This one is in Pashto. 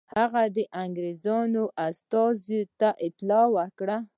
هغه د انګرېزانو استازي ته اطلاع ورکړه.